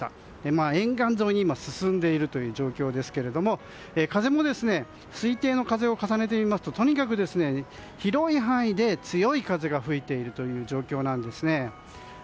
今、沿岸沿いに進んでいるという状況ですけれども風も、推定の風を重ねてみますととにかく広い範囲で強い風が吹いている状況です。